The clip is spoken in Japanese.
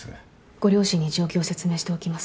ご両親に状況を説明しておきます。